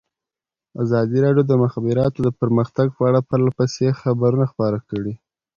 ازادي راډیو د د مخابراتو پرمختګ په اړه پرله پسې خبرونه خپاره کړي.